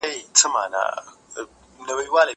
زه به سبا کتابونه لولم وم!؟